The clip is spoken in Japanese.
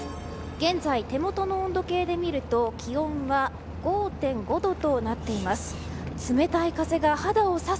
現在、手元の温度計で見ると気温は５．５度となっています。